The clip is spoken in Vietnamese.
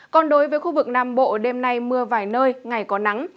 còn đối với khu vực nam bộ đêm nay mưa vài nơi ngày có nắng